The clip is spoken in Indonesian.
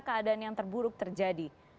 keadaan yang terburuk terjadi